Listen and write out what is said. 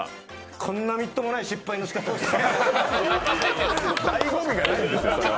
こんなみっともない失敗の仕方ない。